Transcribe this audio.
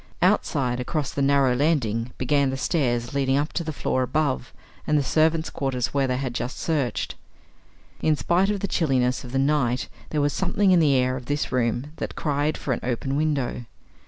Outside, across the narrow landing, began the stairs leading up to the floor above, and the servants' quarters where they had just searched. In spite of the chilliness of the night there was something in the air of this room that cried for an open window.